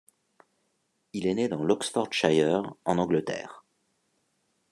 Il est né dans l'Oxfordshire, en Angleterre.